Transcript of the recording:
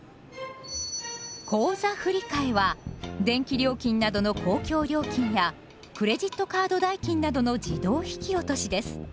「口座振替」は電気料金などの公共料金やクレジットカード代金などの自動引き落としです。